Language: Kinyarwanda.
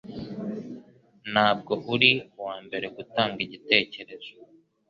Ntabwo uri uwambere gutanga igitekerezo